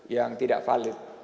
yang tidak valid